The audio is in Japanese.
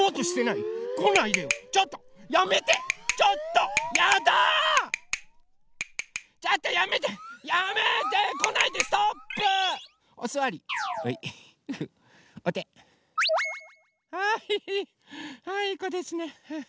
いいこですね。